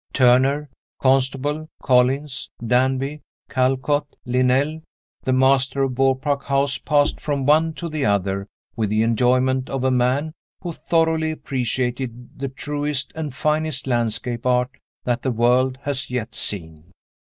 Turner, Constable, Collins, Danby, Callcott, Linnell the master of Beaupark House passed from one to the other with the enjoyment of a man who thoroughly appreciated the truest and finest landscape art that the world has yet seen.